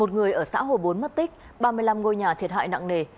một người ở xã hồ bốn mất tích ba mươi năm ngôi nhà thiệt hại nặng nề